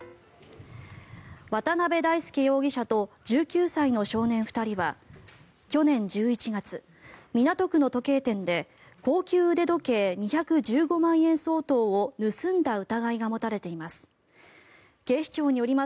渡辺大将容疑者と１９歳の少年２人は去年１１月港区の時計店で高級腕時計２１５万円相当を盗んだ疑いが持たれています。